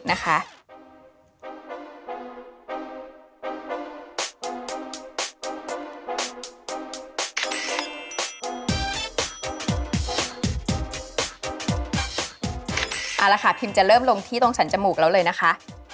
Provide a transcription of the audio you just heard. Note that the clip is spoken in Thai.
เอาละค่ะพิมจะเริ่มลงที่ตรงสรรจมูกแล้วเลยนะคะ